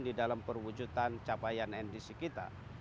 di dalam perwujudan capaian ndc kita